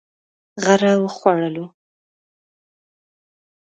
غره و خوړلو.